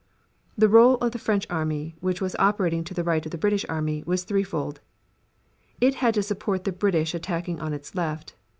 The role of the French army, which was operating to the right of the British army, was threefold. It had to support the British attacking on its left.